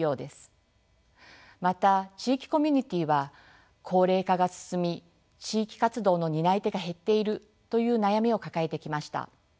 また地域コミュニティーは高齢化が進み地域活動の担い手が減っているという悩みを抱えてきました。